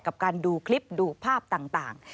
กับการดูคลิปดูภาพต่าง